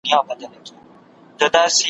دښمن راغلی د کتابونو `